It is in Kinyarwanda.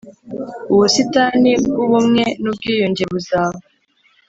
Ubusitani bw ubumwe n ubwiyunge buzaba